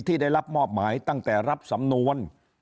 ที่ได้รับมอบหมายตั้งแต่รับสำนวน